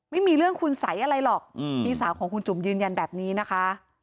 ไม่มีเรื่องคุณสัยอะไรหรอกพี่สาวของคุณจุ๋มยืนยันแบบนี้นะคะ